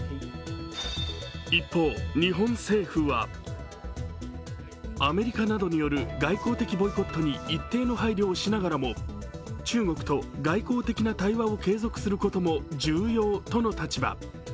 一方、日本政府はアメリカなどによる外交的ボイコットに一定の配慮をしながらも中国と外交的な対話を継続することも重要との立場。